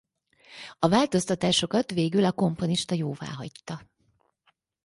A változtatásokat végül a komponista jóváhagyta.